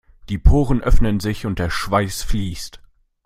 Die Poren öffnen sich und der Schweiß fließt.